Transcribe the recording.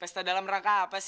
pesta dalam rangka apa sih